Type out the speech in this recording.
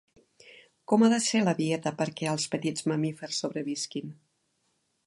Com ha de ser la dieta perquè els petits mamífers sobrevisquin?